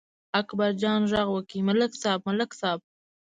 اکبرجان غږ وکړ: ملک صاحب، ملک صاحب!